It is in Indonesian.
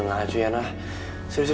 masuk kuliah dulu